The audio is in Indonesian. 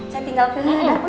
saya tinggal di dapur ya bu